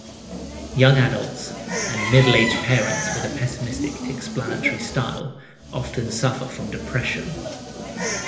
Young adults and middle-aged parents with a pessimistic explanatory style often suffer from depression.